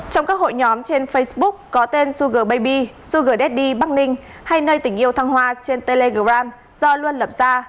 trong các hội nhóm trên facebook có tên sugar baby sugar daddy bắc ninh hay nơi tỉnh yêu thăng hoa trên telegram do luân lập ra